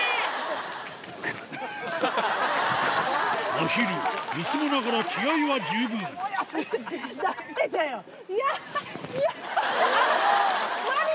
まひるいつもながら気合は十分嫌嫌だ！